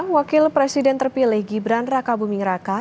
wakil presiden terpilih gibran raka bumingraka